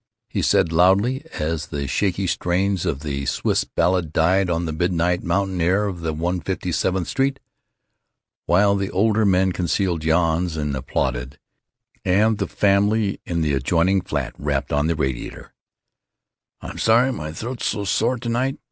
He said loudly, as the shaky strains of the Swiss ballad died on the midnight mountain air of 157th Street (while the older men concealed yawns and applauded, and the family in the adjoining flat rapped on the radiator): "I'm sorry my throat 's so sore to night.